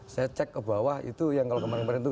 saya cek ke bawah itu yang kalau kemarin kemarin itu